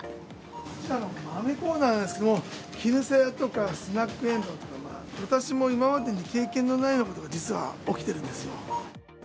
こちらの豆コーナーなんですけども、キヌサヤとかスナップエンドウとか、私も今までに経験のないようなことが、実は起きてるんですよ。